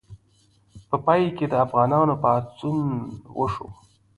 په پای کې د افغانانو پاڅون وشو.